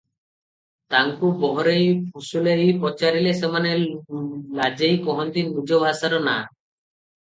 ତାଙ୍କୁ ବହରେଇ ଫୁସୁଲେଇ ପଚାରିଲେ ସେମାନେ ଲାଜେଇ କହନ୍ତି ନିଜ ଭାଷାର ନାଁ ।